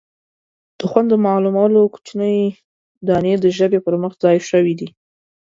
د خوند د معلومولو کوچنۍ دانې د ژبې پر مخ ځای شوي دي.